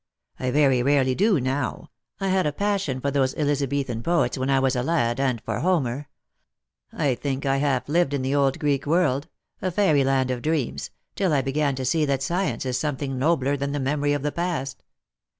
"I very rarely do now. I had a passion for those Eliza bethan poets when I was a lad, and for Homer. I think I half lived in the old Greek world — a fairyland of dreams — till I began to see that science is something nobler than the memory of the past.